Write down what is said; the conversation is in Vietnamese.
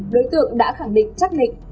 đối tượng đã khẳng định chắc lịch